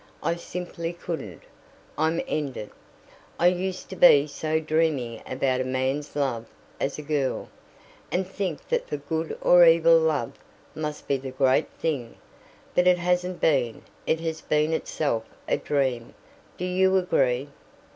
I simply couldn't. I'm ended. I used to be so dreamy about a man's love as a girl, and think that for good or evil love must be the great thing. But it hasn't been; it has been itself a dream. Do you agree?"